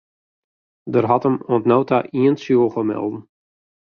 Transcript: Der hat him oant no ta ien tsjûge melden.